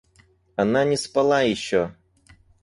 Она не спала еще.